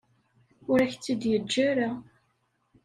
Ur ak-tt-id-yeǧǧa ara.